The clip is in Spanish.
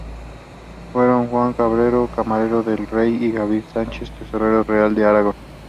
Fueron Juan Cabrero, camarero del rey y Gabriel Sánchez, Tesorero real de Aragón.